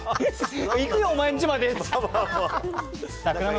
行くよ、お前んちまでって。